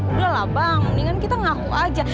udah lah bang mendingan kita ngaku aja